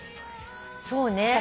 そうね。